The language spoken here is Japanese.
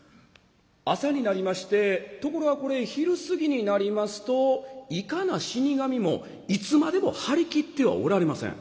朝になりましてところがこれ昼過ぎになりますといかな死神もいつまでも張り切ってはおられません。